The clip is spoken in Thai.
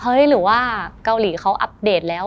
หรือว่าเกาหลีเขาอัปเดตแล้ว